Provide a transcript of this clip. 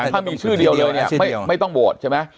ถ้ามีชื่อเดียวเลยเนี่ยไม่ต้องโหวตใช่ไหม